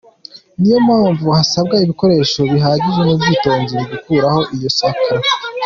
Niyo mpamvu hasabwa ibikoresho bihagije n’ubwitonzi mu gukuraho iyo sakaro.